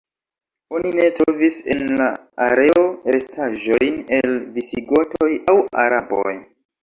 Oni ne trovis en la areo restaĵojn el visigotoj aŭ araboj.